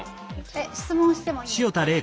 えっ質問してもいいんですか？